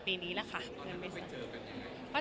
พี่หนูไม่เจอกันยังไง